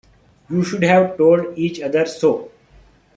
You should have told each other so.